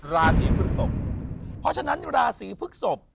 ราศีพฤศพ